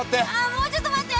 もうちょっと待って。